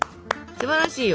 すばらしいよ。